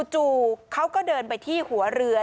จู่เขาก็เดินไปที่หัวเรือ